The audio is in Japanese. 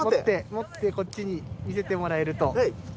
持ってこっちに見せてもらえると。